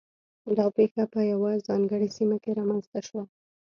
دا پېښه په یوه ځانګړې سیمه کې رامنځته شوه.